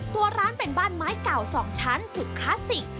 ตัวร้านเป็นบ้านไม้เก่า๒ชั้นสุดคลาสสิก